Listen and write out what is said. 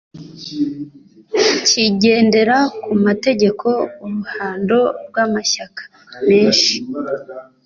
kigendera ku mategeko uruhando rw amashyaka menshi